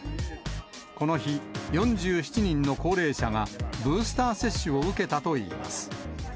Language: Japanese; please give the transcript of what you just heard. この日、４７人の高齢者がブースター接種を受けたといいます。